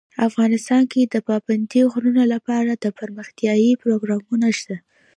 افغانستان کې د پابندی غرونه لپاره دپرمختیا پروګرامونه شته.